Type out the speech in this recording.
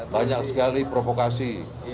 banyak sekali provokasi